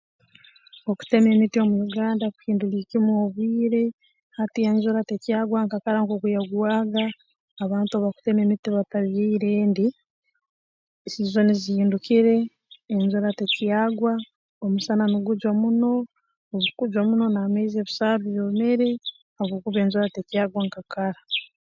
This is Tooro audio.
Okutema emiti omu Uganda kuhinduliire kimu obwire hati enjura tekyagwa nka kara nk'oku yagwaga abantu obu bakutema emiti batabyaire endi siizoni zihindukire enjura tekyagwa omusana nugujwa muno obu gukujwa muno n'amaizi ebisaaru byomere habwokuba enjura tekyagwa nka kara